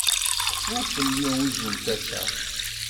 Kfu fell-i uzzu n tasa.